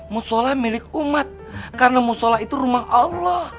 musola milik umat karena musola itu rumah allah